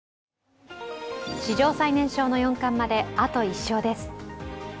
史上最年少の四冠まであと１勝です。